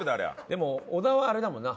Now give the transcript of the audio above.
でも小田はあれだもんな。